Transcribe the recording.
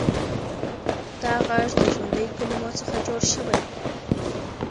دا غږ د ژوندیو کلمو څخه جوړ شوی و.